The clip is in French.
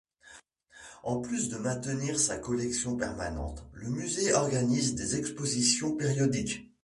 En plus de maintenir sa collection permanente, le musée organise des expositions périodiques.